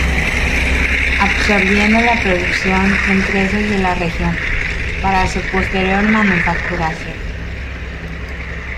Absorbiendo la producción empresas de la región, para su posterior manufacturación.